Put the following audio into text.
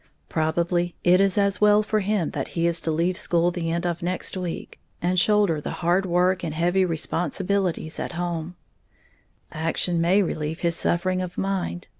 Probably it is as well for him that he is to leave school the end of next week and shoulder the hard work and heavy responsibilities at home, action may relieve his suffering of mind.